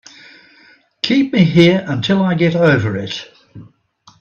Keep me here until I get over it.